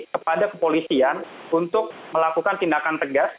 kepada kepolisian untuk melakukan tindakan tegas